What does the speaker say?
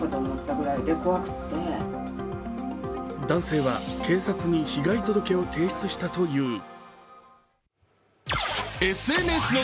男性は警察に被害届を提出したという。